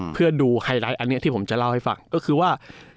เพื่อดูไฮไลท์อันนี้ที่ผมจะเล่าให้ฟังก็คือว่า